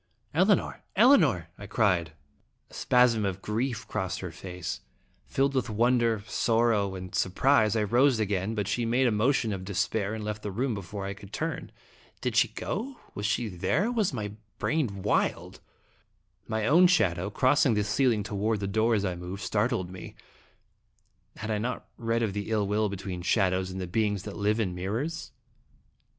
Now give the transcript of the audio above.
"Elinor! Elinor!" I cried. A spasm of grief crossed her face. Filled with wonder, sorrow, and surprise, I rose again, but she made a motion of despair and left the room before I could turn. Did she go? Was she there, or was my brain wild? My own shadow, crossing the ceiling toward the door as I moved, startled me. Had I not read of the ill will between shadows and the beings that live in mirrors?